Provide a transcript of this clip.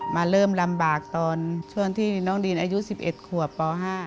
เริ่มลำบากตอนช่วงที่น้องดินอายุ๑๑ขวบป๕